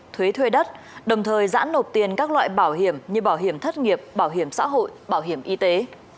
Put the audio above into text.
thuế thuê đất đồng thời giãn nộp tiền các loại bảo hiểm như bảo hiểm thất nghiệp bảo hiểm xã hội bảo hiểm y tế